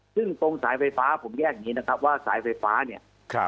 ซึ่งตรงสายไฟฟ้าผมแยกอย่างนี้นะครับว่าสายไฟฟ้าเนี่ย